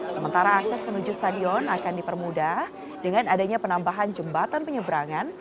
sementara akses menuju stadion akan dipermudah dengan adanya penambahan jembatan penyeberangan